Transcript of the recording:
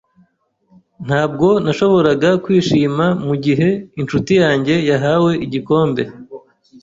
Ntabwo nashoboraga kwishima mugihe inshuti yanjye yahawe igikombe.